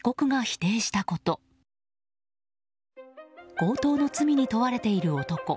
強盗の罪に問われている男。